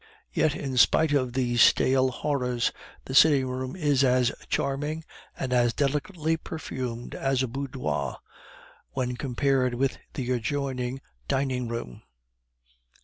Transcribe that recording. Yet, in spite of these stale horrors, the sitting room is as charming and as delicately perfumed as a boudoir, when compared with the adjoining dining room.